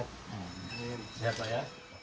sehat pak ya